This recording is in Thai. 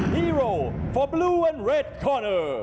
ฮีโร่สำหรับบลูแลนด์เร็ดคอร์นเตอร์